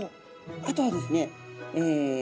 あとはですねえ